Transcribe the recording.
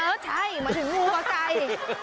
เอ้อใช่หมายถึงงูกว่าใกล้